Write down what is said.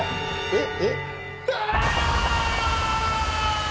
えっ？